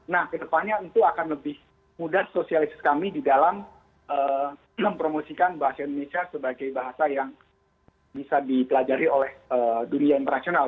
nah kedepannya itu akan lebih mudah sosialis kami di dalam mempromosikan bahasa indonesia sebagai bahasa yang bisa dipelajari oleh dunia internasional